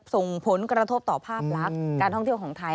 ส่งผลกระทบต่อภาพลักษณ์การท่องเที่ยวของไทย